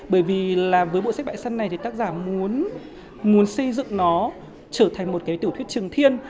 bởi vì là với bộ sách bãi săn này thì tác giả muốn xây dựng nó trở thành một cái tiểu thuyết trừng thiên